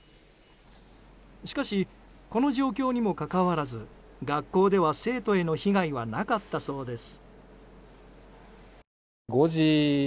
しかし、この状況にもかかわらず学校では生徒への被害はなかったそうです。